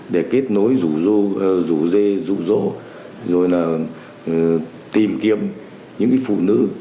để kết nối rủ dê rủ rỗ tìm kiếm những phụ nữ